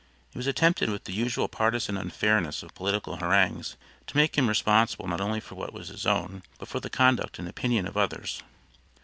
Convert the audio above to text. It was attempted with the usual partisan unfairness of political harangues to make him responsible not only for what was his own, but for the conduct and opinions of others.